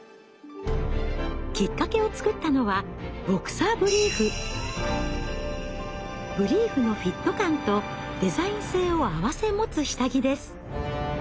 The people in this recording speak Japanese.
きっかけを作ったのはブリーフのフィット感とデザイン性をあわせ持つ下着です。